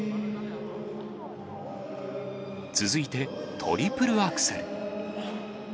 続いてトリプルアクセル。